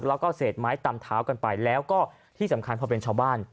แล้วก็เศษไม้ตำเท้ากันไปแล้วก็ที่สำคัญพอเป็นชาวบ้าน